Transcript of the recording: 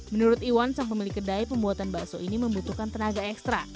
menurut iwan sang pemilik kedai pembuatan bakso ini membutuhkan tenaga ekstra